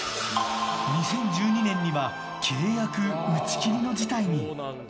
２０１２年には契約打ち切りの事態に。